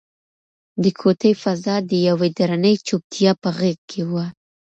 د کوټې فضا د یوې درنې چوپتیا په غېږ کې وه.